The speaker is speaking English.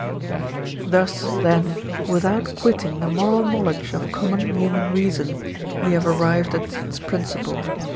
Thus, then, without quitting the moral knowledge of common human reason, we have arrived at its principle.